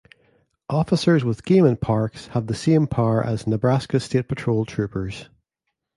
Officers with Game and Parks have the same power as Nebraska State Patrol Troopers.